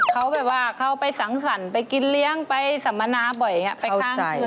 เขาไปศังสรรค์กินเลี้ยงไฟสำนาญ่ายังไง